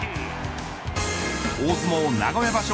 大相撲名古屋場所